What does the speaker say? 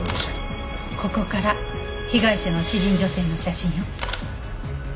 ここから被害者の知人女性の写真よ。